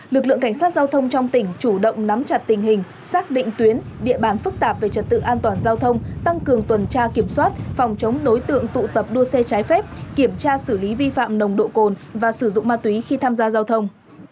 lực lượng cảnh sát giao thông trong tỉnh chủ động nắm chặt tình hình xác định tuyến địa bàn phức tạp về trật tự an toàn giao thông tăng cường tuần tra kiểm soát phòng chống đối tượng tụ tập đua xe trái phép kiểm tra xử lý vi phạm nồng độ cồn và sử dụng ma túy khi tham gia giao thông